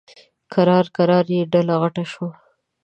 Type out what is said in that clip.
کرار کرار یې ډله غټه شوه.